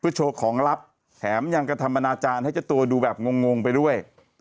เพื่อโชว์ของลับแถมอย่างกฎธรรมนาอาจารย์ให้เจ้าตัวดูแบบงงไปด้วย